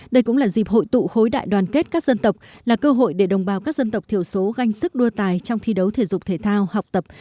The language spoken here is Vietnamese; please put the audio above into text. đây cũng là dịp hội tụ khối đại đoàn kết các dân tộc là cơ hội để đồng bào các dân tộc thiểu số ganh sức đua tài trong thi đấu thể dục thể thao học tập